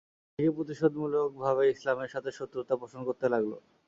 আজ থেকে প্রতিশোধমূলক ভাবে ইসলামের সাথে শত্রুতা পোষণ করতে লাগল।